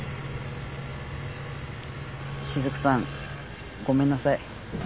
しずくさんごめんなさい。